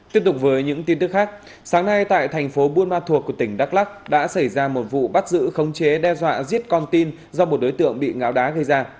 tiếp tục với những tin tức khác sáng nay tại thành phố buôn ma thuột của tỉnh đắk lắc đã xảy ra một vụ bắt giữ khống chế đe dọa giết con tin do một đối tượng bị ngáo đá gây ra